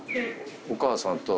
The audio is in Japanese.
お母さんと。